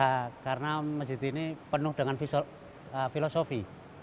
ya karena masjid ini penuh dengan filosofi